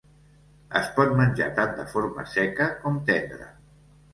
Es pot menjar tan de forma seca com tendra.